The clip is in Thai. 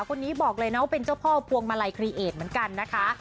คนนี้บอกเลยนะว่าเป็นเจ้าพ่อพวงมาลัยคลีเอกเหมือนกันนะคะ